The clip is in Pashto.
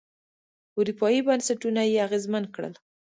اروپايي بنسټونه یې اغېزمن کړل.